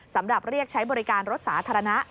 สำหรับเรียกใช้บริการรถสาธารณะ